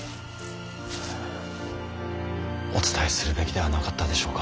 お伝えするべきではなかったでしょうか。